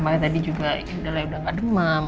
makanya tadi juga udah gak demam